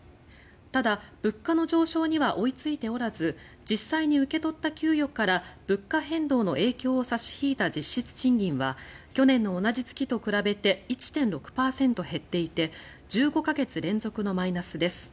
ただ、物価の上昇には追いついておらず実際に受け取った給与から物価変動の影響を差し引いた実質賃金は去年の同じ月と比べて１．６％減っていて１５か月連続のマイナスです。